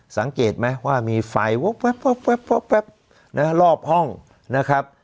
สังเกตไหมว่ามีไฟแป๊บรอบห้องนะครับ